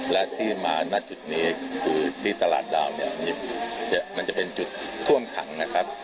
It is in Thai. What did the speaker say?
และที่มาณจุดนี้คือที่ตลาดดาวเนี่ยมันจะเป็นจุดท่วมขังนะครับ